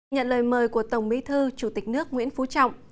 nhận lời mời của tổng bí thư chủ tịch nước nguyễn phú trọng